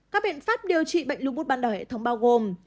các biện pháp điều trị bệnh lưu bút ban đầu hệ thống bao gồm